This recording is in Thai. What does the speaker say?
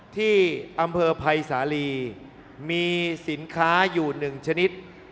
ที่อำเภอไพรสาลีมีสินค้าอยู่หนึ่งชนิด